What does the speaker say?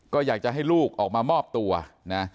ก็อยากจะให้ลูกออกมามอบตัวนะ